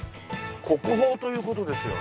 国宝という事ですよね？